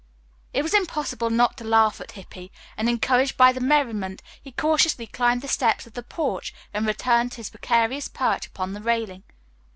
It was impossible not to laugh at Hippy, and, encouraged by the merriment, he cautiously climbed the steps of the porch and returned to his precarious perch upon the railing.